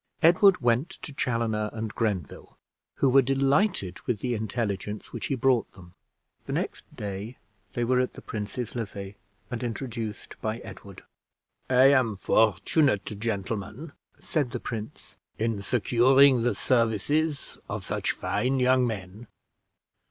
Edward went to Chaloner and Grenville, who were delighted with the intelligence which he brought them. The next day they were at the prince's levee, and introduced by Edward. "I am fortunate, gentlemen," said the prince, "in securing the services of such fine young men.